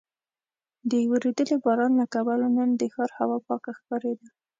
د ورېدلي باران له کبله نن د ښار هوا پاکه ښکارېده.